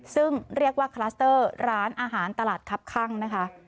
ซึ่งเรียกว่าคลัสเตอร์ร้านอาหารตลาดคับข้างนะคะ